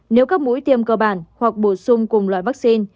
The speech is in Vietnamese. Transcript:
nếu các mũi tiêm cơ bản hoặc bổ sung cùng loại vaccine